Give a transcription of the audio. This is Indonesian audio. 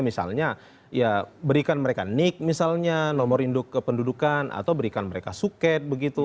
misalnya ya berikan mereka nick misalnya nomor induk kependudukan atau berikan mereka suket begitu